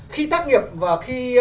khi tác nghiệp và khi